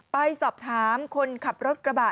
ไปสอบถามคนขับรถกระบะ